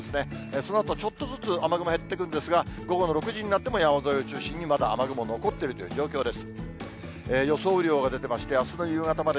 そのあと、ちょっとずつ雨雲減っていくんですが、午後の６時になっても山沿いを中心にまだ雨雲残っているという状況です。